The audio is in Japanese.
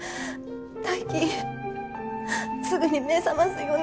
泰生すぐに目覚ますよね？